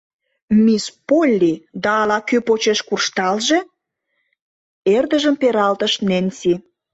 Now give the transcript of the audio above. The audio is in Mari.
— Мисс Полли да ала-кӧ почеш куржталже! — эрдыжым пералтыш Ненси.